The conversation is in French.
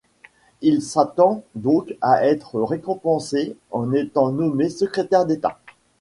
Il s'attend donc à être récompensé en étant nommé Secrétaire d'état.